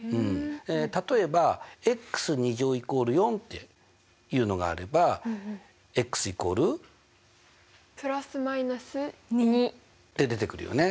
例えば＝４っていうのがあればって出てくるよね。